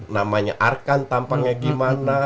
namanya arkan tampaknya gimana